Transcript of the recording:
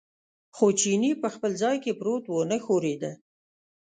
خو چیني په خپل ځای کې پروت و، نه ښورېده.